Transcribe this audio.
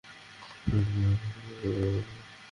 এই সানগ্লাসগুলো নিতে চাই।